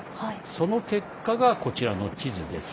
その結果が、この地図です。